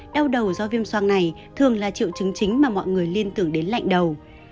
đau đầu do viêm soang này thường là triệu chứng chính mà mọi người liên tưởng đến lạnh đầu